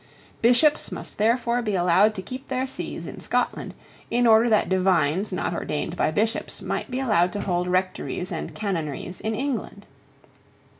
Bishops must therefore be allowed to keep their sees in Scotland, in order that divines not ordained by Bishops might be allowed to hold rectories and canonries in England.